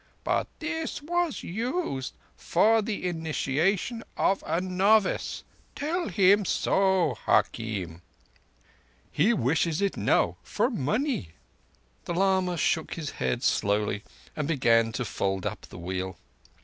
But this was used for the initiation of a novice. Tell him so, hakim." "He wishes it now—for money." The lama shook his head slowly and began to fold up the Wheel.